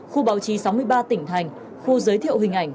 khu báo chí sáu mươi ba tỉnh thành khu giới thiệu hình ảnh